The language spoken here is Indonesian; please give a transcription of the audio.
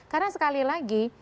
karena sekali lagi